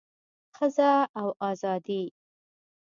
ښځه او ازادي